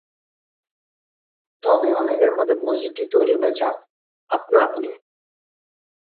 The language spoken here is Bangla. তবে অনেকের মতে, মসজিদটি তৈরী হয়েছে আপনা আপনি।